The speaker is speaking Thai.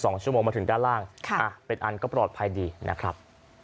สองชั่วโมงมาถึงด้านล่างค่ะอ่ะเป็นอันก็ปลอดภัยดีนะครับ